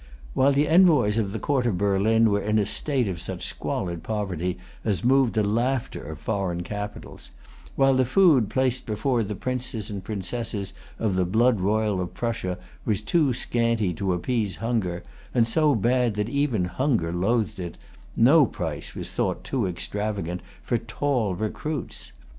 While the envoys of the Court of Berlin were in a state of such squalid poverty as moved the laughter of foreign capitals, while the food placed before the princes and princesses of the blood royal of Prussia was too scanty to[Pg 246] appease hunger, and so bad that even hunger loathed it, no price was thought too extravagant for tall recruits.